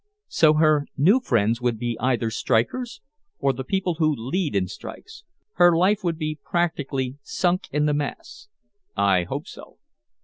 "So her new friends would be either strikers or the people who lead in strikes. Her life would be practically sunk in the mass." "I hope so."